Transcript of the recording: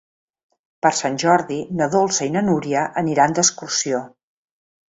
Per Sant Jordi na Dolça i na Núria aniran d'excursió.